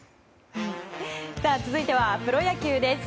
続いてはプロ野球です。